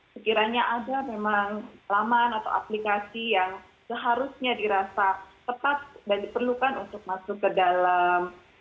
sekiranya ada memang laman atau aplikasi yang seharusnya dirasa tepat dan diperlukan untuk masuk ke dalam